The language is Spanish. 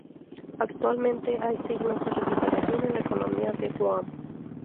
Actualmente hay signos de recuperación en la economía de Guam.